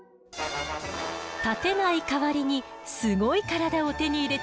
立てない代わりにすごい体を手に入れたのよ。